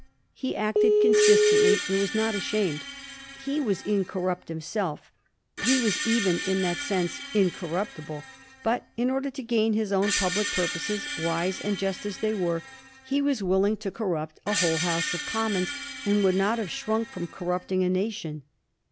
He acted consistently and was not ashamed. He was incorrupt himself; he was even in that sense incorruptible; but in order to gain his own public purposes, wise and just as they were, he was willing to corrupt a whole Digiti zed by Google 1723 'SO MANY HOLLOW FACTIONS.' 305 House of Commons, and would not have shrunk from corrupting a nation.